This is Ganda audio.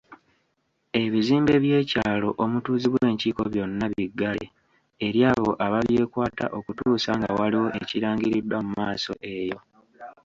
Ebizimbe by'ekyalo omutuuzibwa enkiiko byonna biggale eri abo ababyekwata okutuusa nga waliwo ekirangiriddwa mu maaso eyo.